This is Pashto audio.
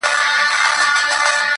يو يې خوب يو يې خوراك يو يې آرام وو-